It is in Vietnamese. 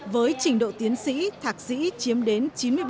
với trình độ tiến sĩ thạc sĩ chiếm đến chín mươi bảy